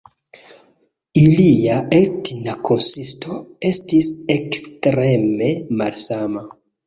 Ilia etna konsisto estis ekstreme malsama.